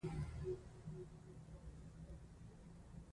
د ډېرې شکرې او مالګې خوړل روغتیا ته زیان رسوي.